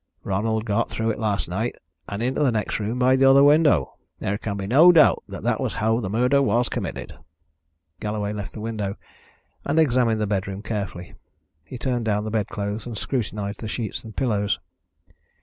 Ronald got through it last night and into the next room by the other window. There can be no doubt that that was how the murder was committed." Galloway left the window, and examined the bedroom carefully. He turned down the bed clothes, and scrutinised the sheets and pillows.